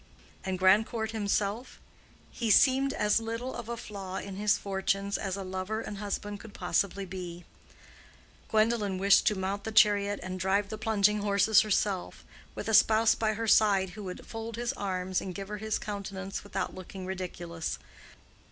And Grandcourt himself? He seemed as little of a flaw in his fortunes as a lover and husband could possibly be. Gwendolen wished to mount the chariot and drive the plunging horses herself, with a spouse by her side who would fold his arms and give her his countenance without looking ridiculous.